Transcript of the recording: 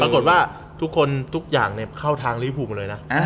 ปรากฏว่าทุกอย่างเข้าทางรีบภูมิเลยนะ